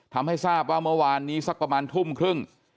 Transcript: ทำให้ทราบว่าเมื่อวานนี้สักประมาณทุ่มครึ่ง